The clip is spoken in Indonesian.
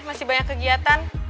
masih banyak kegiatan